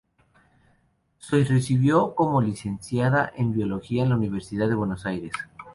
Se recibió como licenciada en Biología en la Universidad de Buenos Aires.